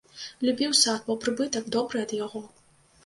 Любіў сад, бо прыбытак добры ад яго.